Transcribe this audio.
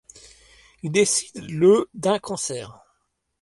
Il décède le d'un cancer.